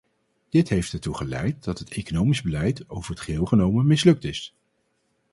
Dit heeft ertoe geleid dat het economisch beleid over het geheel genomen mislukt is.